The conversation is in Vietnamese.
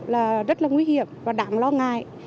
là rất là nguy hiểm và đảm lo ngại